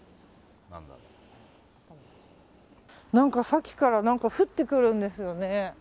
さっきから何か降ってくるんですよね。